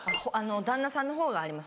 旦那さんのほうがあります